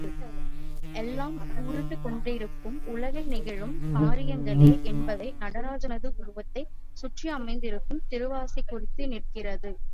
எல்லாம் உருண்டுகொண்டிருக்கும் உலகில் நிகழும் காரியங்களே என்பதை நடனராஜனது உருவத்தைச் சுற்றியமைந்திருக்கும் திருவாசி குறித்து நிற்கிறது.